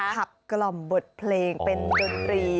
กล่อมบทเพลงเป็นดนตรี